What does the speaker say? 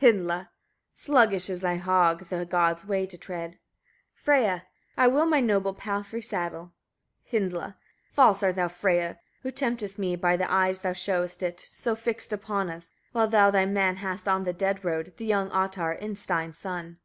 Hyndla. 6. Sluggish is thy hog the god's way to tread: Freyia. 7. I will my noble palfrey saddle. Hyndla. 8. False are thou, Freyia! who temptest me: by thy eyes thou showest it, so fixed upon us; while thou thy man hast on the dead road, the young Ottar, Innstein's son.